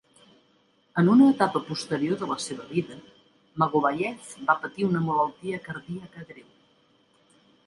En una etapa posterior de la seva vida, Magomayev va patir una malaltia cardíaca greu.